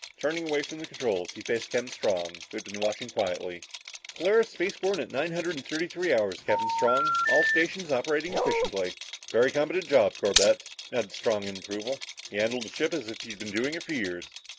Turning away from the controls, he faced Captain Strong who had been watching quietly. "Polaris space borne at nine hundred thirty three hours, Captain Strong. All stations operating efficiently." "Very competent job, Corbett," nodded Strong in approval. "You handled the ship as if you'd been doing it for years."